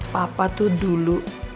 papa tuh dulu